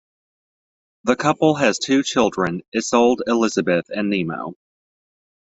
The couple has two children, Isolde Elisabeth and Nemo.